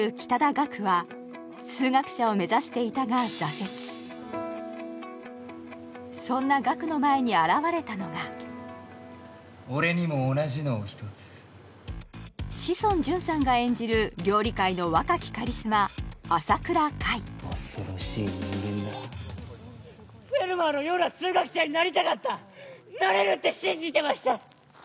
岳は数学者を目指していたが挫折そんな俺にも同じのを１つ志尊淳さんが演じる料理界の若きカリスマ朝倉海恐ろしい人間だフェルマーのような数学者になりたかったなれるって信じてました